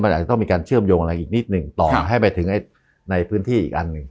อาจจะต้องมีการเชื่อมโยงอะไรอีกนิดหนึ่งต่อให้ไปถึงในพื้นที่อีกอันหนึ่ง